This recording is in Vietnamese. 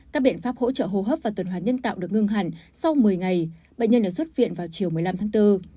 các biện pháp hỗ trợ hô hấp và tuần hoàn nhân tạo được ngưng hẳn sau một mươi ngày bệnh nhân được xuất viện vào chiều một mươi năm tháng bốn